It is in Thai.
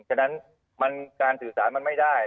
ฉะนั้นการสื่อสารมันไม่ได้